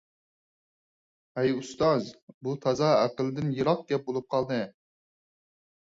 ھەي ئۇستاز، بۇ تازا ئەقىلدىن يىراق گەپ بولۇپ قالدى.